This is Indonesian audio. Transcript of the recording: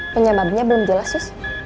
penyebabnya belum jelas sus